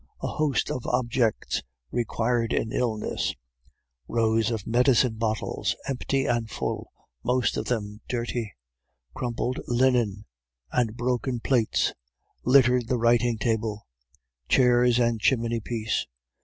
A host of objects required in illness rows of medicine bottles, empty and full, most of them dirty, crumpled linen, and broken plates, littered the writing table, chairs, and chimney piece.